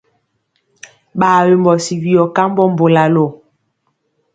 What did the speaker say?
Ɓaa wembɔ si viyɔ kambɔ mbolalo.